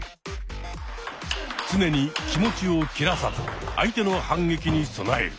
常に気持ちを切らさず相手の反撃に備える。